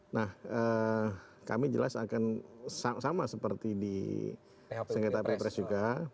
nah kami jelas akan sama seperti di sengketa pilpres juga